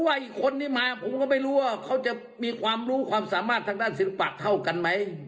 อีกคนที่มาผมก็ไม่รู้ว่าเขาจะมีความรู้ความสามารถทางด้านศิลปะเท่ากันไหม